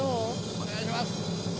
お願いします。